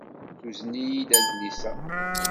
Tuzen-iyi-d adlis-a.